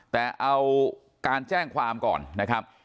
แต่เอาการแจ้งความก่อนนะครับ